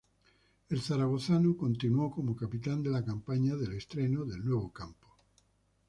El zaragozano continúo como capitán de la campaña del estreno del nuevo campo.